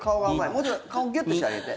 もうちょっと顔、ギュッとしてあげて。